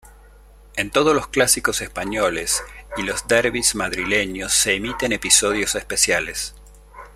En todos los clásicos españoles y los derbis madrileños se emiten episodios especiales.